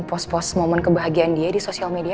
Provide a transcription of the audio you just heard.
post post momen kebahagiaan dia di sosial media